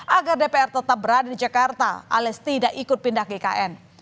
agar dpr tetap berada di jakarta alias tidak ikut pindah gkn